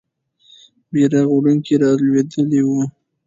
بیرغ وړونکی رالوېدلی وو.